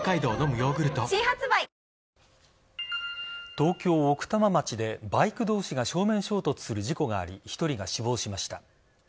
東京・奥多摩町でバイク同士が正面衝突する事故があり１人が死亡しました。